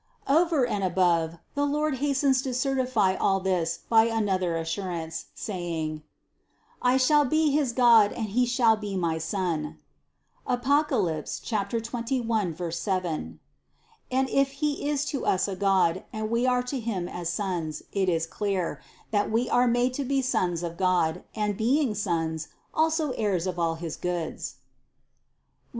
261. Over and above, the Lord hastens to certify all this by another assurance, saying: "I shall be his God and he shall be my son" (Apoc. 21, 7), and if He is to us a God, and we are to Him as sons, it is clear, that we are made to be sons of God, and being sons, also heirs of all his goods (Rom.